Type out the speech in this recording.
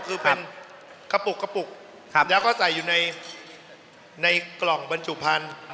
คือเป็นกระปุกแล้วก็ใส่อยู่ในกล่องบรรจุภัณฑ์